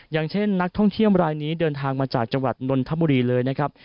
อย่างเช่นนักท่องเที่ยวรายนี้เดินทางมาจากจังหวัดนนทบุรีเลยนะครับ